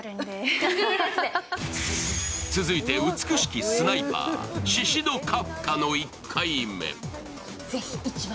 続いて美しきスナイパーシシド・カフカの１回目。